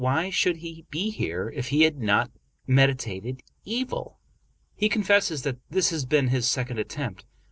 Why should he be here if he had not meditated evil? He confesses that this has been his second attempt.